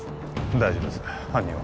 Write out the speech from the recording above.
大丈夫です犯人は？